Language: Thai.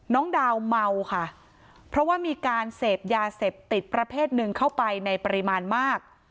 น้องดาวเมาค่ะเพราะว่ามีการเสพยาเสพติดประเภทหนึ่งเข้าไปในปริมาณมาก